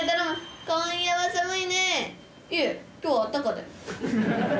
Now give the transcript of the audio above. いえ今日はあったかだよ。